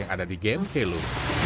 yang ada di game helo